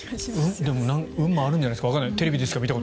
でも運もあるんじゃないですか？